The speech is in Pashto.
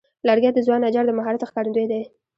لرګی د ځوان نجار د مهارت ښکارندوی دی.